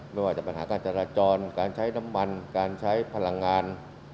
ไม่ว่าจะปัญหาการจราจรการใช้น้ำมันการใช้พลังงาน